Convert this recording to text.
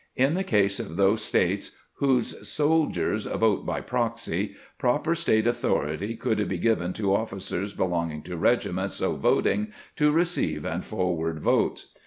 In the cases of those States whose soldiers vote by proxy, proper State authority could be given to oflScers belonging to regiments so voting to receive and forward votes.